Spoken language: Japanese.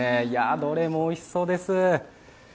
どれもおいしそうです。